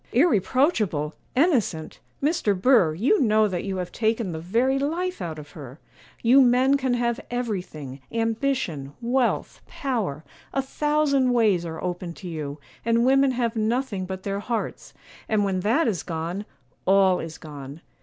'Irreproachable! innocent! Mr. Burr, you know that you have taken the very life out of her; you men can have everything, ambition, wealth, power; a thousand ways are open to you; and women have nothing but their hearts, and when that is gone, all is gone.